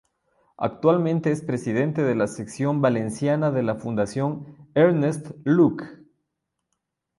Actualmente, es presidente de la sección valenciana de la Fundación Ernest Lluch.